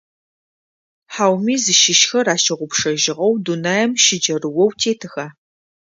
Хьауми зыщыщхэр ащыгъупшэжьыгъэу дунаим щыджэрыоу тетыха?